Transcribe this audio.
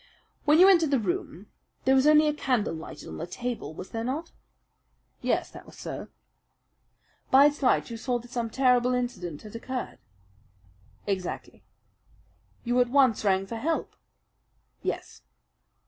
"When you entered the room there was only a candle lighted on the table, was there not?" "Yes, that was so." "By its light you saw that some terrible incident had occurred?" "Exactly." "You at once rang for help?" "Yes."